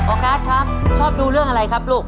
การ์ดครับชอบดูเรื่องอะไรครับลูก